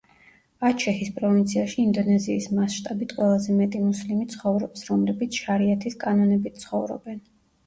აჩეჰის პროვინციაში ინდონეზიის მასშტაბით ყველაზე მეტი მუსლიმი ცხოვრობს, რომლებიც შარიათის კანონებით ცხოვრობენ.